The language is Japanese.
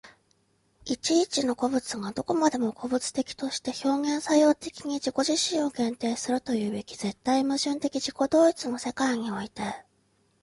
一々の個物がどこまでも個物的として表現作用的に自己自身を限定するというべき絶対矛盾的自己同一の世界において、